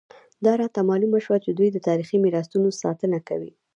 دا راته معلومه شوه چې دوی د تاریخي میراثونو ساتنه کوي.